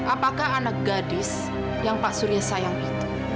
apakah anak gadis yang pak surya sayang itu